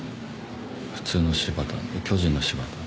普通の柴田巨人の柴田。